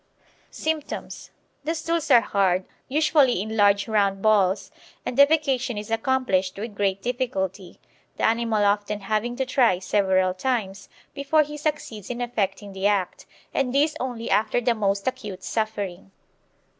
Symptoms The stools are hard, usually in large round balls, and defecation is accomplished with great difficulty, the animal often having to try several times before he succeeds in effecting the act, and this only after the most acute suffering.